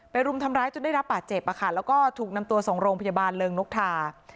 รุมทำร้ายจนได้รับบาดเจ็บแล้วก็ถูกนำตัวส่งโรงพยาบาลเริงนกทา